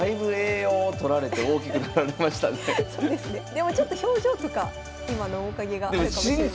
でもちょっと表情とか今の面影があるかもしれません。